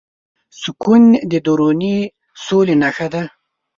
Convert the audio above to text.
سکون د دروني سولې نښه ده.